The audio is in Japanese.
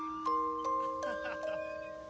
ハハハハ。